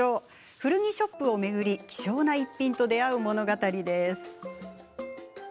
古着ショップを巡り希少な逸品と出会う物語です。